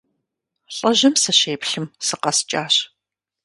ЛӀыжьым сыщеплъым, сыкъэскӀащ.